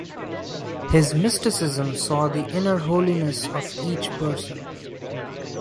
His mysticism saw the inner holiness of each person.